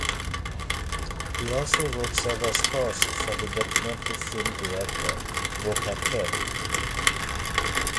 He also wrote several scores for the documentary film director Volker Koepp.